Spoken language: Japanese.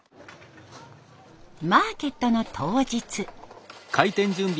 マーケットの当日。